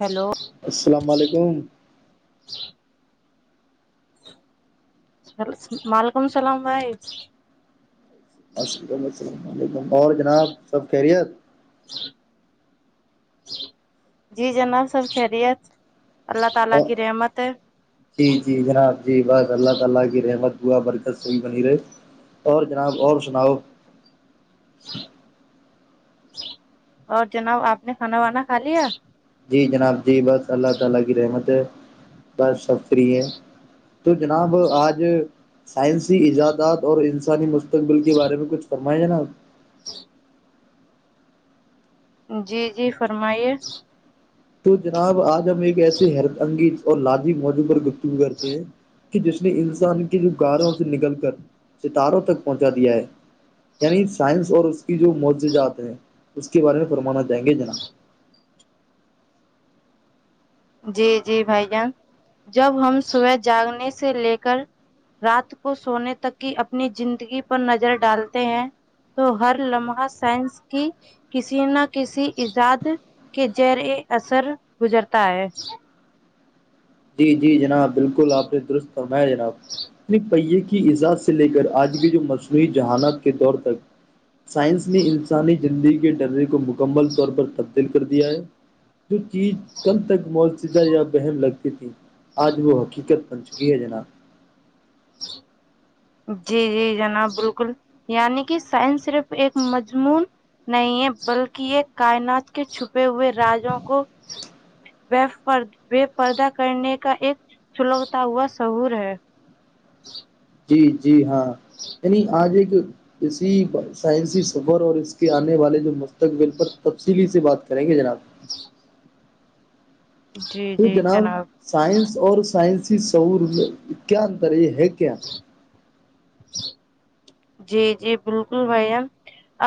hello السلام علیکم وعلیکم السلام بھائی الل السلام علیکم اور جناب سب خیریت جی جناب سب خیریت اللہ تعالی کی رحمت ہے اپ کی اواز اللہ تعالی کی نعمت دعا برتری بنی رہی اور جناب اور سناؤ اور جناب آپ نے کھانا وانا کھا لیا جی جناب جی بس اللہ تعالی کی رحمت ہے ہے تو جناب آج سائنسی ایجادات اور انسانی مست اسستقبل کے بارے میں کچھ کرمنا ہے ناب جی جی فرمائیے تو جناب آج ہم ایک ایسسی حیرت انگیز اور لازی موضوع پر گتگ کرتے ہیں کہ جس نے انسان کے گاروں سے نکل کر ستاروں تک پہنچا دیا ہے یعنی سائنس اور اس کی جو معؤججات ہیں اس کے بارے میں فرمانا جائیں گے جناب جی جی بھائی جان جب ہم صبح جاگنے سے لے کر رات کو سونے تک کی اپنی زندگی پر نظر ڈالتے ہیں تو ہر لمحہ سائنس کی کسی نہ کسی ایجاد کے جر اثر گزرتا ہے جی جی جی جناب بالکل آپ نے درست فرمایا جناب اپنے پہیے کی اجاز سے لے کر آج بھی جو مصنوعی جہانات کے دور تک سائنس نے انسانی زندگی کے ڈرے کو مک کمل طور پر تبدیل کر دیا ہے جو چیز کند تک مولتزہ یا بہم لگتی تھی آج وہ حقیقت بن چکی ہے جناب ج جی جی جناب بالکل یعنی کہ سائنس صرف ایک مجمون نہیں ہے بلکہ یہ کائنات کے چھپے ہوئے راجوں کو پر بے پردا کرنے کا ایک سلگتا ہوا شہور ہے ج جی جی ہاں یع آج ایک کسی پر سائنسی سفر اور اس کے آنے والے جو مستقبل پر تفصیلی سے بات کریں گے جناب جی تو جی جناب سائنس اور سائنسی سعور میں کیا انتر یہ ہے کیا ج جی جی بالکل بھیا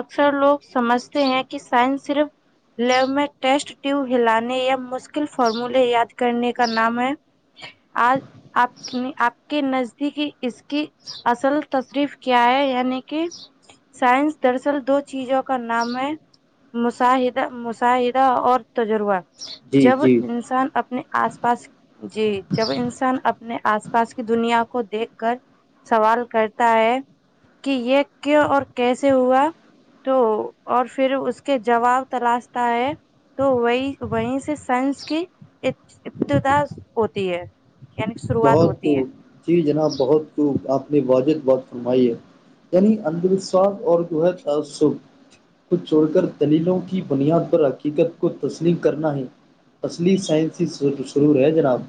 اکثر لوگ سمجھتے ہیں کہ سائنس صرف لیب میں ٹیسٹ ٹیو ہلانے یا مشکل فارموولے یاد کرنے کا نام ہے آج آپ کے نزدیک اس کی اصل تصریف کیا ہے یعنی کہ سائنس دراصل دو چیزوں کا نام ہے مشاہدہ مشاہدہ اور تجربہ جی جب جی انسان اپنے آس پاس جی جب انسان اپنے آس پاس کی دنیا کو دیکھ کر سوال کرتا ہے کہ یہ کیوں اور کیسے ہوا تو اور پھر اس کے جواب تلاشتا ہے تو وہی وہیں سے سائنس کی ابتدا ہوتی ہے یعنی شروعات بہت کو ہوتی ہے جی جناب بہت خب آپ نے واضد بات فرمائی ہے یعنی اندھ وشواس اور جو ہے تعسب کو چھوڑ کر دلیلوں کی بنیاد پر حقیقت کو تسلیم کرنا ہے اصلی سائنسی سرور ہے جناب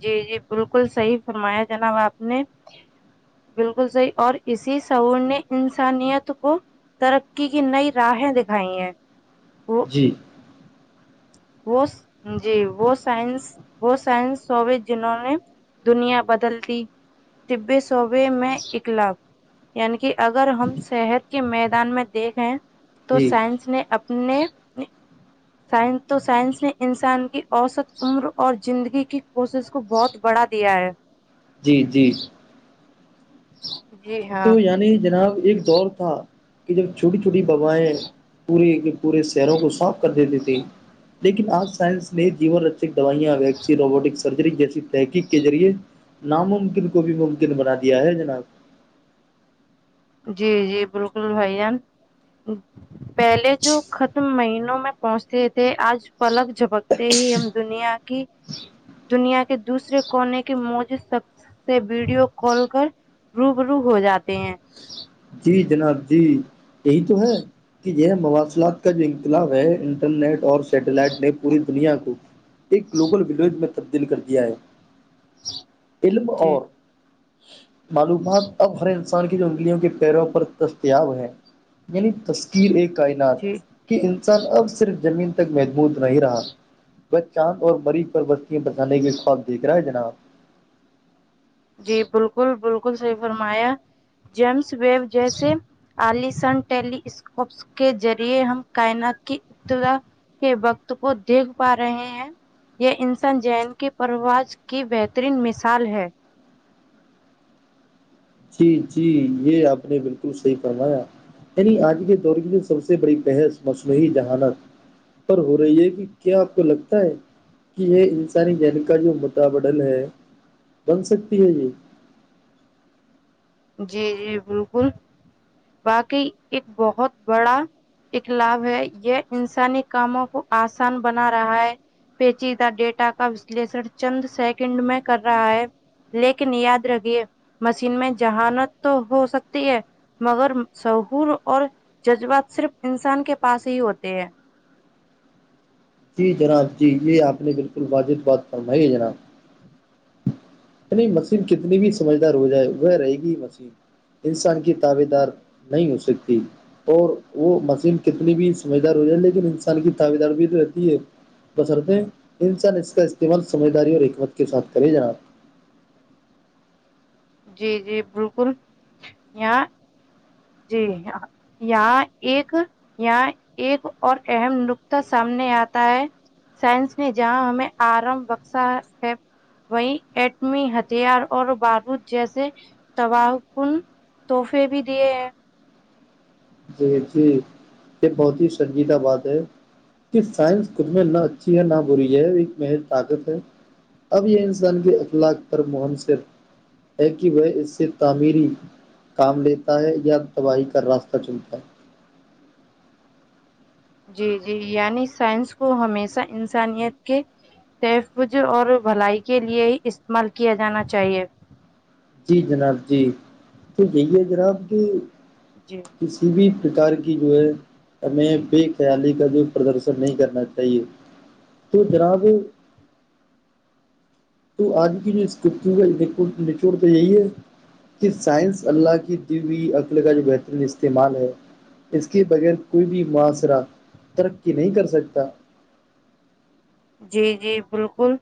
جی جی بالکل صحیح فرمایا جناب آپ نے بالکل صحیح اور اسی سہور نے انسانیت کو ترقی کی نئی راہیں دکھائی ہیں وہ جی وہ جی وہ سائنس وہ سائنس ہووگ جنہوں نے دنیا بدلتی طبے صوبے میں اکلاب یعنی کہ اگر ہم صحت کے میدان میں دیکھیں تو جی سائنس نے اپنے سائنس تو سائنس نے انسان کی اوسط عمر اور زندگی کی کوشش کو بہت بڑھا دیا ہے جی جی جی ہاں تو یعنی جناب ایک دور تھا کہ جب چھوٹی چھوٹی بائیں پورے کے پورے شہروں کو صاف کر دیتی تھی لیکن آج سائنس نے جیون رچک دوائیاں ویکسی روبوٹکس سر جیسی تحقیق کے ذریعے ناممکن کو بھی ممکن بنا دیا ہے جناب جی جی بالکل بھائی جان پہلے جو ختم مہینوں میں پہنچتے تھے آج پلک جھپک ہی ہم دنیا کی دنیا کے دوسرے کونے کی موج سب سے ویڈیو کال کر روب رو ہو جاتے ہیں جی جناب جی یہی تو ہے یہ مواصلات کا جو انقلاب ہے انٹرنیٹ اور سیٹلائٹ نے پوری دنیا کو ایک گلوبل ولج میں تبدیل کر دیا ہے علم جی اور معلومات اب ہر انسان کی جو انگلیوں کے پیروں پر دستیاب ہیں یعنی تشکیر کائنات جی کہ انسان اب صرف زمین تک محبود نہیں رہا وہ چاند اور مریض پر بستیاں بچانے کے خواب دیکھ رہا ہے جناب جی بالکل بالکل صحیح فرمایا جیمس ویب جیسے آلیسن ٹیلی اسکوپس کے ذریعے ہم کائنات کی ابتدا کے وقت کو دیکھ پا رہے ہیں یہ انسان جین کی پرواز کی بہترین مثال ہے جی جی یہ آپ نے بالکل صحیح فرمایا یعنی آج کے دور کی جو سب سے بڑی بحث مصنوعی جہانت پر ہو رہی ہے کہ کیا آپ کو لگتا ہے کہ یہ انسانی گین کا جو متابڈل ہے بن سکتی ہے یہ جی جی بالکل باقی ایک بہت بڑا اخلاب ہے یہ انسانی کاموں کو آسان بنا رہا ہے پیچیدہ ڈیٹا کا وشلیشن چند سیکنڈ میں کر رہا ہے لیکن یاد رکھیے مشین میں جہانت تو ہو سکتی ہے مگر سہور اور جذبات صرف انسان کے پاس ہی ہوتے ہیں جی جناب جی یہ آپ نے بالکل واجد بات فرمائی ہے جناب نہیں مشین کتنی بھی سمجھدار ہو جائے وہ رہے گی ہی مسین انسان کی تعو دار نہیں ہو سکتی اور وہ مشین کتنی بھی سمجھدار ہو جائے لیکن انسان کی تعوییدار بھی تو رہتی ہے بسرتےیں انسان اس کا استعمال سمجھداری اور حکمت کے ساتھ کرے جناات جی جی بالکل یہاں جی یہاں ایک یہاں ایک اور اہم نکتہ سامنے آتا ہے سائنس نے جہاں ہمیں آرم بخشا ہے وہی ایٹمی ہتھیار اور بارود جیسے تباہ کن تحفے بھی دیے ہیں جی جی یہ بہت ہی سنجیدہ بات ہے کہ ساس خود میں نہ اچھی ہے نہ بی ہے ایک مہر طاقت ہے اب یہ انسان کے اخلاق پر منصر ہے کہ وہ اس سے تعمیری کام لیتا ہے یا تباہی کا راستہ سچن تھاائی جی جی یعنی سائنس کو ہمیشہ انسانیت کے تحفظ اور بھلائی کے لیے ہی استعمال کیا جانا چاہیے جی جناب جی تو یہی ہے جناب کہ جی کسی بھی پرکار کی جو ہے ہمیں بے خیالی کا جو پردرشن نہیں کرنا چاہیے تو جناب تو آج کی جو اس کتی کا نچوڑ تو یہی ہے کہ سائنس اللہ کی دیی عقل کا جو بہترین استعمال ہے اس کے بغیر کوئی بھی معاشرہ ترقی نہیں کر سکتا جی جی بالکل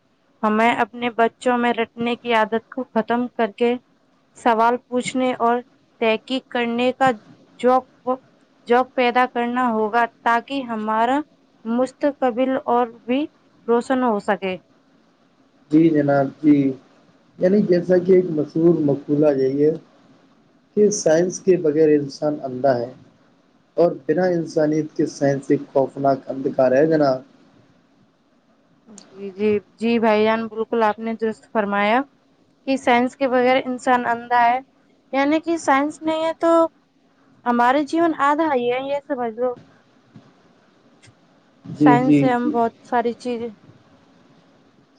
ہمیں اپنے بچوں میں رٹنے کی عادت کو ختم کر کے سوال پوچھنے اور تحقیق کرنے کا جو جاب پیدا کرنا ہوگا تاکہ ہمارا مستقبل اور بھی روشن ہو سکے جی جناب جی یعنی جیسا کہ ایک مشہور مقبولہ یہی ہے کہ سائنس کے بغیر انسان عدا ہے اور بنا انسانیت کے سائنسی خوفناک اندھکا رہ جنا جی جی جی بھائی جان بالکل آپ نے درست فرمایا کہ سائنس کے بغیر انسان اندھا آ ہے یعنی کہ سائنس نہیں ہے تو ہمارے جیون آدھ آائی ہے یہ سمجھ لو جی سائنس جی سے ہم جی بہت ساری چیزیں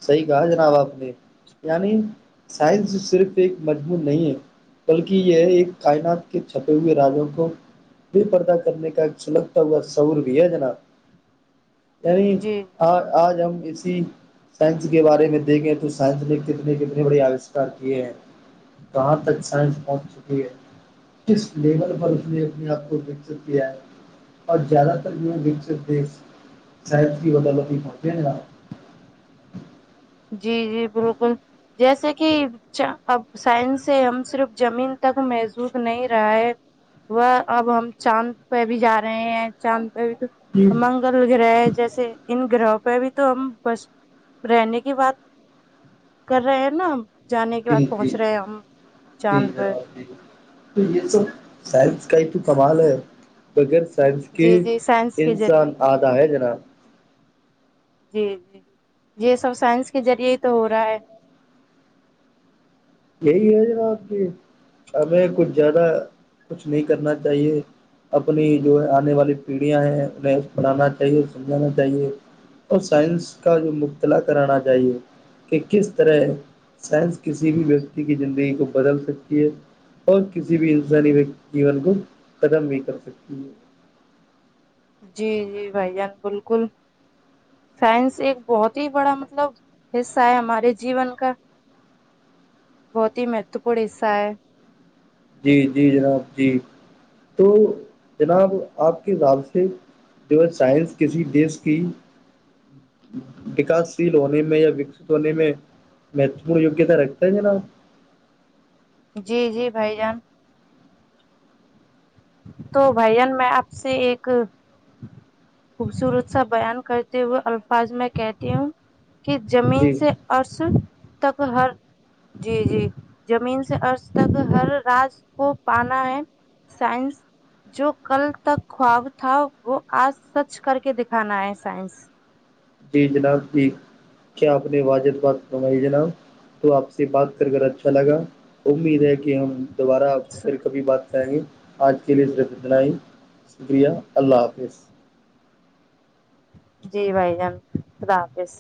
صحیح کہا جناب آپ نے یعنی سائنس صرف ایک مجمون نہیں ہے بلکہ یہ ایک کائنات کے چھپے ہوئے راجوں کو بھی پردا کرنے کا ایک سلگتا ہوا سور بھی ہے جناب یعنی جی آ آج ہم اسی سائنس کے بارے میں دیکھیں تو سائنس نے کتنے کتنے بڑے آوشکار کیے ہیں جاں تک سائنس پہنچ چکی ہے کس لیول پر اس نے اپنے آپ کو دیکھ سک کیا ہے اور زیادہ تر وکس دیحت کی بدولتی پہنچتے گ جی جی بالکل جیسے کہ اب سائنس سے ہم صرف زمین تک محظوود نہیں رہا ہے وہ اب ہم چاند پہ بھی جا رہے ہیں چاند پہ بھی تو جی منگل گرہ جیسے انن گرہوں پہ بھی تو ہم بس رہنے کے کی بات کر رہے ہیں نا ہم جانے کے بعد جی پہنچ رہے ہیں ہم چاند پہ [unintelligible] [unintelligible] سائنس کا ہی تو کمال ہے بغیر سائنس کے جی جی سائنس کے انسان ذریعے آتاا ہے جناب جی جی یہ سب سائنس کے ذریعے ہی تو ہو رہا ہے یہی ہے جناب کی ہمیں کچھ زیادہ کچھ نہیں کرنا چاہیے اپنی جو آنے والی پیڑھیاں ہیں انہیں بڑھانا چاہیے سمجھانا چاہیے اور سائنس کا جو مبتلا کرانا چاہیے کہ کس طرح سائنس کسی بھی ویکتی کی زندگی کو بدل سکتی ہے اور کسی بھی انسانی جیون کو قدم بھی کر سکتی ہے جی جی بھائی جان بالکل سائنس ایک بہت ہی بڑا مطلب حصہ ہے ہمارے جیون کا بہت ہی مہتوپورن حصہ ہے جی جی جناب جی تو جناب آپ کے حساب سے جو سائنس کسی دیش کی وکاس شیل ہونے میں یا وکست ہونے میں مہتوپورن یوگیہتا رکھتا ہے نا جی جی بھائی جان تو بھین میں آپ سے ایک خوبصورت سا بیان کرتے ہوئے الفاظ میں کہتی ہوں کہ جم جی سے ارس تک ہر جی جی زمین سے ارج تک ہر راج کو پانا ہے سائنس جو کل تک خواب تھا وہ آج سچ کر کے دکھانا ہے سائنس جی جناب ٹھیک کیا آپ نے واجحد بات سمائی جناب تو آپ سے بات کر کر اچھا لگا امید ہے کہ ہم دوبارہ پھر کبھی بات کریں گے آج کے لیے رت بنائی شکریہ اللہ حافظ جی بھائی جان خدا حافظ